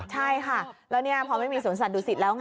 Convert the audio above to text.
ใช่ค่ะแล้วนี่พอไม่มีสวนสัตว์ดูสิตแล้ว